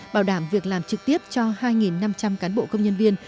bảo đảm việc làm trực tiếp cho hai năm trăm linh cán bộ công nhân viên